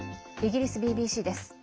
イギリスＢＢＣです。